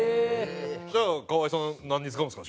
じゃあ河井さんなんに使うんですか？